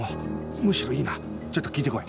むしろいいなちょっと聞いて来い。